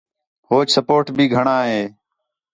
ہوچ سپورٹ بھی گھݨاں ہے